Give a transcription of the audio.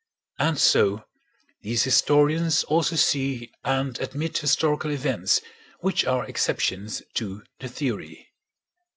And so these historians also see and admit historical events which are exceptions to the theory.